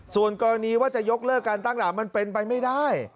ส่วนกรณีว่าจะยกเลิกการตั้งหลักมันเป็นไปไม่ได้